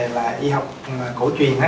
là y học cổ truyền á